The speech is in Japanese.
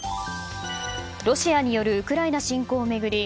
ロシアによるウクライナ侵攻を巡り